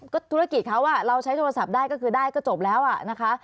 ก็ธุรกิจเขาเราใช้โทรศัพท์ได้ก็คือได้ก็จบแล้วอ่ะนะคะ